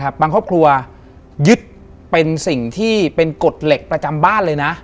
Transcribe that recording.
บางครอบครัวยึดเป็นสิ่งที่เป็นกฎเหล็กประจำบ้านเลยนะ